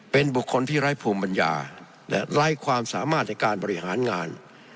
เป็นบุคคลที่ไร้ภูมิปัญญาและไร้ความสามารถในการบริหารงาน